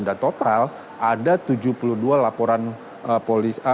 dan total ada tujuh puluh dua laporan polisi